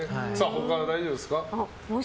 他大丈夫ですか？